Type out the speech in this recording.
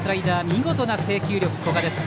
見事な制球力、古賀です。